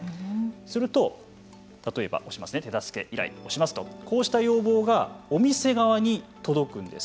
すると例えば押しますとこうした要望がお店側に届くんです。